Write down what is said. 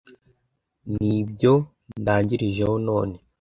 ni ibyo ndangirijeho none